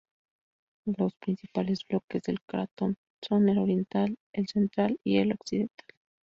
Los principales bloques del cratón son el oriental, el central y el occidental.